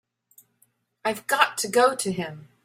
I've got to go to him.